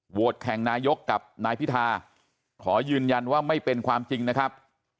แข่งนายกกับนายพิธาขอยืนยันว่าไม่เป็นความจริงนะครับ